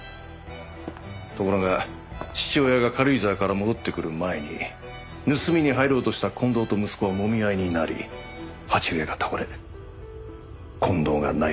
ところが父親が軽井沢から戻ってくる前に盗みに入ろうとした近藤と息子はもみ合いになり鉢植えが倒れ近藤がナイフを。